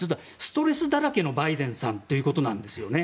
ストレスだらけのバイデンさんということなんですね。